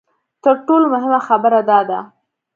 تر ټولو مهمه خبره دا ده.